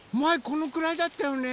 このくらいだったよね。